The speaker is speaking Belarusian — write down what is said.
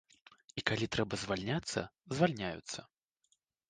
І калі трэба звальняцца, звальняюцца.